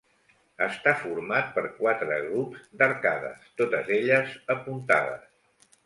Està format per quatre grups d'arcades, totes elles apuntades.